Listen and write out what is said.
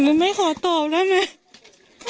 ไม่ขอตอบได้ไหม